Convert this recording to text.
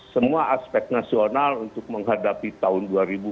semua aspek nasional untuk menghadapi tahun dua ribu dua puluh